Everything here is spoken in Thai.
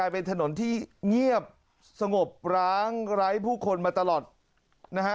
เป็นถนนที่เงียบสงบร้างไร้ผู้คนมาตลอดนะฮะ